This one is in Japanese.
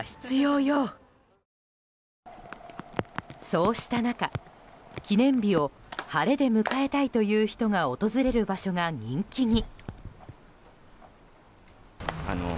そうした中、記念日を晴れで迎えたいという人が訪れる場所が人気に。